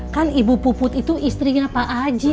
kan ibu puput itu istrinya pak haji